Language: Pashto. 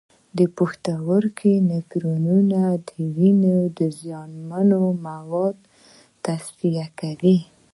د پښتورګو نفرونونه د وینې زیانمن مواد تصفیه کوي.